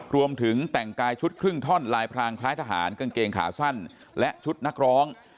รวมถึงแต่งกายชุดครึ่งท่อนลายพรางคล้ายทหารกางเกงขาสั้นและชุดนักร้อง